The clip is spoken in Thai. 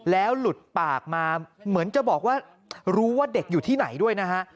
แล้วหลุดปากมาเหมือนจะบอกว่ารู้ว่าเด็กอยู่ที่ไหนด้วยนะฮะ